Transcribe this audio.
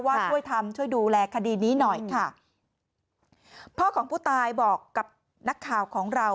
ช่วยทำช่วยดูแลคดีนี้หน่อยค่ะพ่อของผู้ตายบอกกับนักข่าวของเรา